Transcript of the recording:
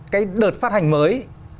cái đợt phát hành mới